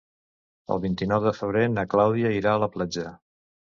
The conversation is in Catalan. El vint-i-nou de febrer na Clàudia irà a la platja.